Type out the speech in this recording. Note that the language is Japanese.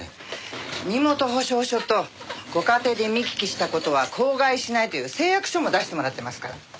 身元保証書とご家庭で見聞きした事は口外しないという誓約書も出してもらってますから。